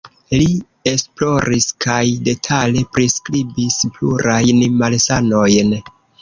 Li esploris kaj detale priskribis plurajn malsanojn.